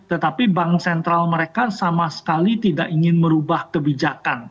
tetapi bank sentral mereka sama sekali tidak ingin merubah kebijakan